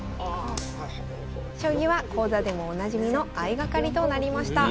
将棋は講座でもおなじみの相掛かりとなりました。